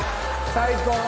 最高。